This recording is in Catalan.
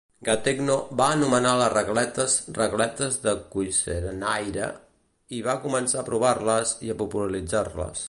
Gattegno va nomena a les regletes "regletes de Cuisenaire" i va començar a provar-les i a popularitzar-les.